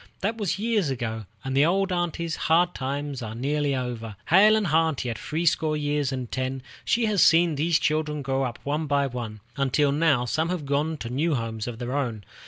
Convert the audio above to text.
That was years ago, and the old aunty's hard times are nearly over. Hale and hearty at three score years and ten, she has seen these children grow up one by one, until now some have gone to new homes of their own.